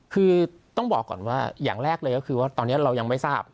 คือต้องบอกก่อนว่าอย่างแรกเลยก็คือว่าตอนนี้เรายังไม่ทราบ